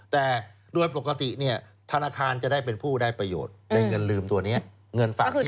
แต่โดยปกติเนี่ยธนาคารจะได้เป็นผู้ได้ประโยชน์ในเงินลืมตัวนี้เงินฝาก